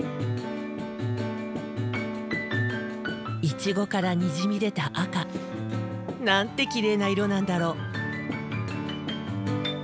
イチゴからにじみ出た赤。なんてきれいな色なんだろう。